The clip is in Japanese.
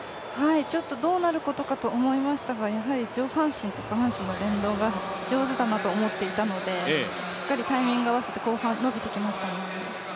ちょっとどうなることかと思いましたが、やはり上半身と下半身の連動が上手だなと思っていたのでしっかりタイミング合わせて後半、伸びてきましたね。